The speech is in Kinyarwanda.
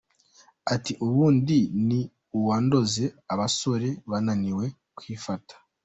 Ati « ubundi ni uwandoze abasore bananiwe kwifata ?».